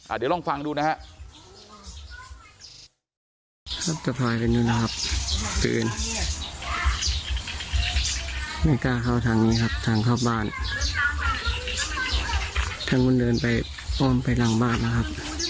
เดี๋ยวลองฟังดูนะฮะ